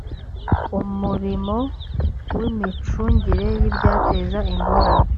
umurimo w imicungire y ibyateza ingorane